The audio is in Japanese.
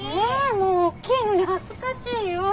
もうおっきいのに恥ずかしいよ。